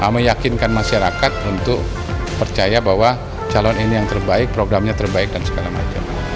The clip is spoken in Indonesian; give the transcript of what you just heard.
meyakinkan masyarakat untuk percaya bahwa calon ini yang terbaik programnya terbaik dan segala macam